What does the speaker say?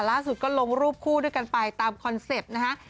ล่าสุดก็ลงรูปคู่ด้วยกันไปตามคอนเซ็ปต์นะฮะ